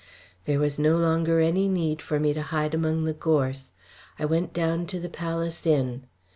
There was no longer any need for me to hide among the gorse. I went down to the Palace Inn.